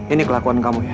ini kelakuan kamu ya